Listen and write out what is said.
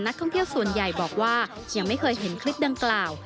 ท่องเที่ยวส่วนใหญ่บอกว่ายังไม่เคยเห็นคลิปดังกล่าว